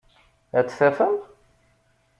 Ad t-tafem?